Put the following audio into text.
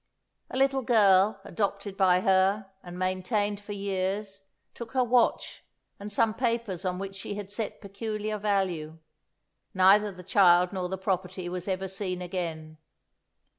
A little girl, adopted by her, and maintained for years, took her watch and some papers on which she had set peculiar value. Neither the child nor the property was ever seen again.